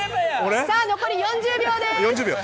残り４０秒です。